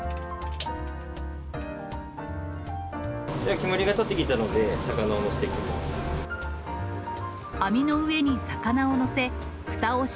煙が立ってきたので、魚を載せていきます。